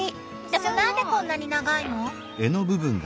でも何でこんなに長いの？